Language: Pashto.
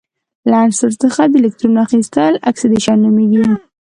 له یو عنصر څخه د الکترون اخیستل اکسیدیشن نومیږي.